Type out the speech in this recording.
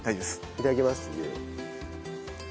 いただきます。